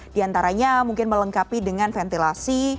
di antaranya mungkin melengkapi dengan ventilasi